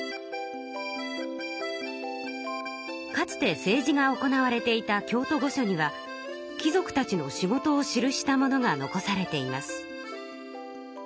かつて政治が行われていた京都御所には貴族たちの仕事を記したものが残されています。